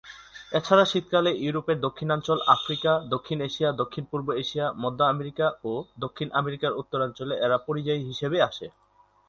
এছাড়া শীতকালে ইউরোপের দক্ষিণাঞ্চল, আফ্রিকা, দক্ষিণ এশিয়া, দক্ষিণ-পূর্ব এশিয়া, মধ্য আমেরিকা ও দক্ষিণ আমেরিকার উত্তরাঞ্চলে এরা পরিযায়ী হিসেবে আসে।